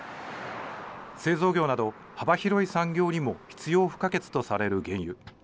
製造業など幅広い産業にも必要不可欠とされる原油。